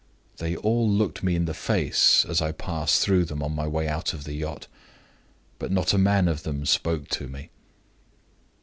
They all looked me in the face as I passed through them on my way out of the yacht, but not a man of them spoke to me.